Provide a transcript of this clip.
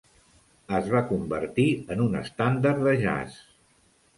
Es va convertir en un estàndard de jazz.